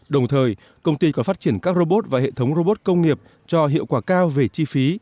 đồng thời công ty còn phát triển các robot và hệ thống robot công nghiệp cho hiệu quả cao về chi phí